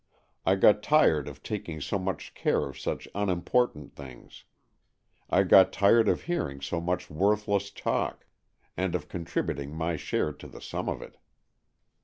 I got tired of taking so much care of such unimportant things. I got tired of hearing so much worthless talk, and of contributing my share to the sum of it.